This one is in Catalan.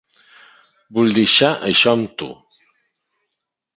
Vull deixar això amb tu.